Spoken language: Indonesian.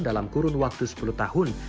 dalam kurun waktu sepuluh tahun